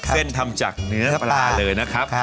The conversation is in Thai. ทำจากเนื้อปลาเลยนะครับ